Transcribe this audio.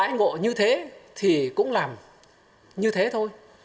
đãi ngộ như thế thì cũng làm như thế thôi